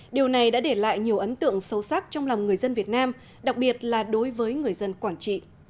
điều này đã để lại nhiều ấn tượng sâu sắc trong lòng người dân việt nam đặc biệt là đối với người dân quảng trị